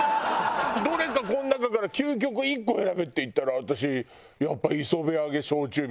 どれかこの中から究極１個選べっていったら私やっぱり磯辺揚げ焼酎水割り選んじゃうわ。